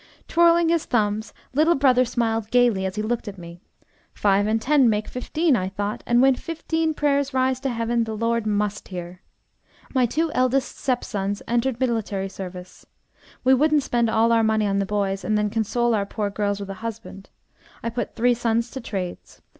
Twirling his thumbs, little brother smiled gayly as he looked at me. "Five and ten make fifteen, I thought, and when fifteen prayers rise to heaven, the Lord must hear. My two eldest stepsons entered military service. We wouldn't spend all our money on the boys and then console our poor girls with a husband. I put three sons to trades.